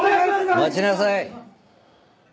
待ちなさい。